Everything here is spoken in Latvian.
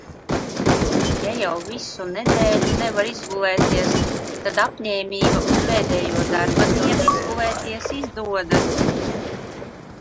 Ja jau visu nedēļu nevar izgulēties, tad apņēmība uz pēdējo darba dienu izgulēties izdodas.